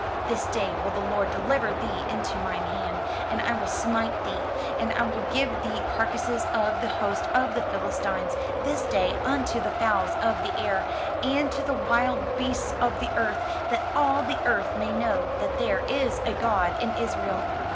This day will the Lord deliver thee into mine hand; and I will smite thee, and I will give the carcasses of the host of the Philistines this day unto the fowls of the air, and to the wild beasts of the earth; that all the earth may know that there is a God in Israel.